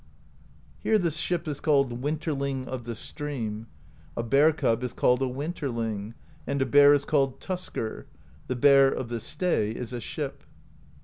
Here the ship is called Winterling of the Stream : a bear cub is called a Winterling; and a bear is called Tusker; the Bear of the Stay is a ship.